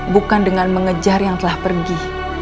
bukan dengan mengejar yang telah pergi